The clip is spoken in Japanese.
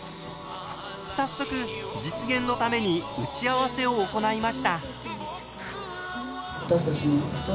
早速実現のために打ち合わせを行いました。